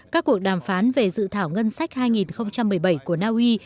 các cuộc đàm phán về dự thảo ngân sách hai nghìn một mươi bảy của naui